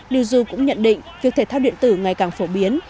liuzo cũng nhận định việc thể thao điện tử ngày càng phổ biến